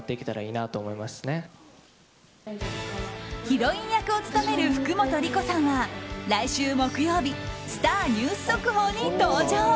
ヒロイン役を務める福本莉子さんは来週木曜日スター☆ニュース速報に登場。